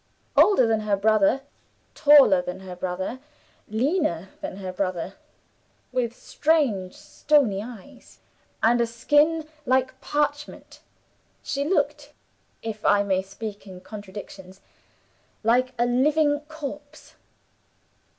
Older than her brother, taller than her brother, leaner than her brother with strange stony eyes, and a skin like parchment she looked (if I may speak in contradictions) like a living corpse.